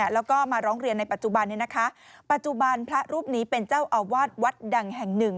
แล้วก็มาร้องเรียนในปัจจุบันนี้นะคะปัจจุบันพระรูปนี้เป็นเจ้าอาวาสวัดดังแห่งหนึ่ง